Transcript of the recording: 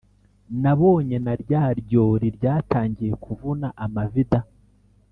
nabonye na rya ryori ryatangiye kuvuna amavi da!